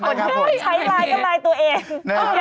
ใช้ลายกับลายตัวเอง